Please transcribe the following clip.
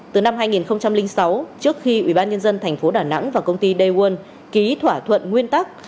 từ năm hai nghìn sáu trước khi ủy ban nhân dân tp đà nẵng và công ty day one ký thỏa thuận nguyên tắc